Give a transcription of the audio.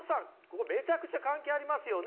ここめちゃくちゃ関係ありますよ！